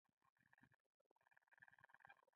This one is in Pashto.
ملت د لیاقت او وړتیا پر بنیاد د خدمت کولو ټیم غواړي.